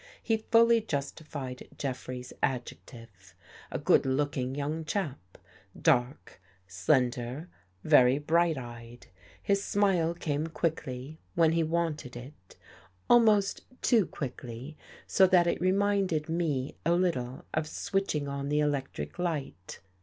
He fully justified Jef frey's adjective. A good looking young chap — dark, slender, very bright eyed. His smile came quickly, when he wanted it — almost too quickly, so that it reminded me a little of switching on the elec tric light.